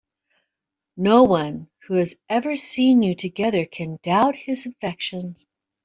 No one who has ever seen you together can doubt his affection.